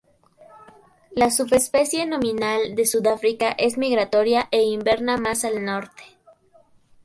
La subespecie nominal de Sudáfrica es migratoria e inverna más al norte.